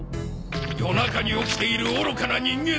夜中に起きている愚かな人間どもよ。